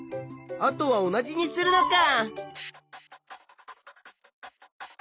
あとは同じにするのか。